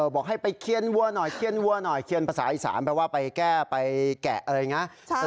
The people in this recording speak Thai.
บอกให้ไปเคียนวัวหน่อยเคียนวัวหน่อยเคียนภาษาอีสานแปลว่าไปแก้ไปแกะอะไรอย่างนี้